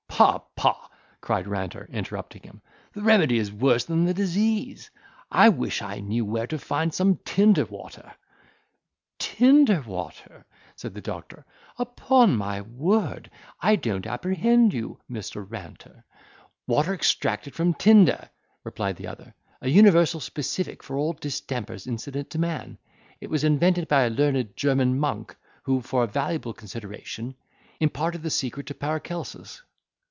"Pah, pah!" cried Ranter, interrupting him, "the remedy is worse than the disease—I wish I knew where to find some tinder water." "Tinder water!" said the doctor; "Upon my word, I don't apprehend you, Mr. Ranter." "Water extracted from tinder," replied the other, "a universal specific for all distempers incident to man. It was invented by a learned German monk, who, for a valuable consideration, imparted the secret to Paracelsus."